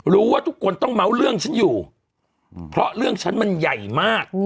รู้ว่าทุกคนต้องเมาส์เรื่องฉันอยู่เพราะเรื่องฉันมันใหญ่มาก